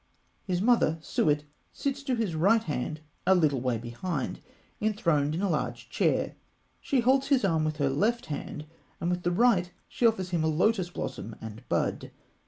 His mother, Sûit, sits at his right hand a little way behind, enthroned in a large chair. She holds his arm with her left hand, and with the right she offers him a lotus blossom and bud.